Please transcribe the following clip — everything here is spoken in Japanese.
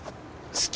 好き